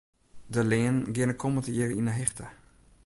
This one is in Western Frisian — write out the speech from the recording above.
De leanen geane kommend jier yn 'e hichte.